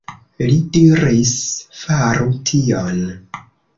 Li diris, faru tion.